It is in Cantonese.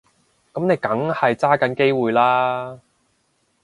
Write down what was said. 噉你梗係揸緊機會啦